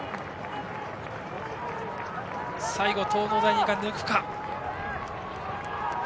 最後、東農大二が抜くか。